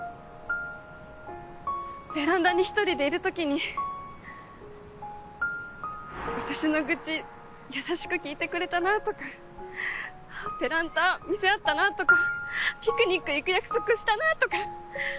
ベランダに１人でいる時に私の愚痴優しく聞いてくれたなとかプランター見せ合ったなとかピクニック行く約束したなとか。